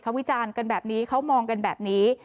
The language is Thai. วิจารณ์กันแบบนี้เขามองกันแบบนี้